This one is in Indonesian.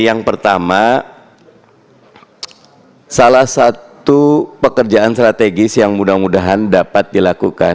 yang pertama salah satu pekerjaan strategis yang mudah mudahan dapat dilakukan